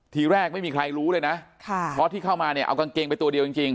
ทีแรกไม่มีใครรู้เลยนะเพราะที่เข้ามาเนี่ยเอากางเกงไปตัวเดียวจริง